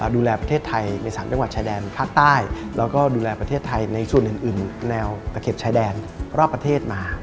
ดูแลประเทศไทยใน๓จังหวัดชายแดนภาคใต้แล้วก็ดูแลประเทศไทยในส่วนอื่นแนวตะเข็บชายแดนรอบประเทศมา